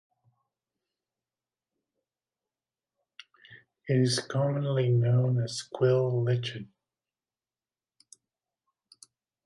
It is commonly known as quill lichen.